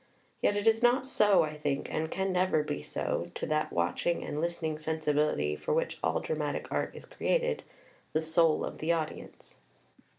Yet it is not so, I think, and can never be so, to that watching and listening sensibility for which all dramatic art is created the soul of the audience.